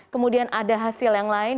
kemudian ada hasil yang lain